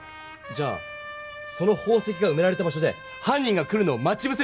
じゃあその宝石がうめられた場所ではん人が来るのを待ちぶせる！